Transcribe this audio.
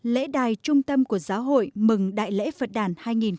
lễ đài trung tâm của giáo hội mừng đại lễ phật đàn hai nghìn một mươi chín